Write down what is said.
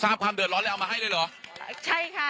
ความเดือดร้อนแล้วเอามาให้เลยเหรอใช่ค่ะ